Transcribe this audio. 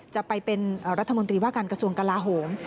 จะเป็นรัฐมนตรีว่าการกระทรวงกลาโหม